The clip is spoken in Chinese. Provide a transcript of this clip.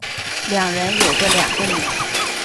两人有着两个女儿。